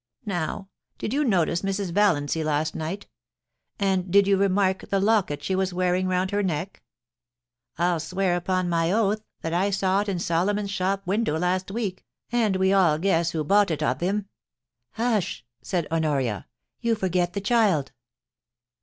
Now, did you notice Mrs. Valiancy last night — and did you remark the locket she was wearing round her neck ? Ill swear upon my oath that I saw it in Salomons' shop window last week, and we all guess who bought it of him.' * Hush !' said Honoria. * You forget the child